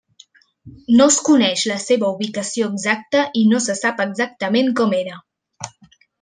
No es coneix la seva ubicació exacta i no se sap exactament com era.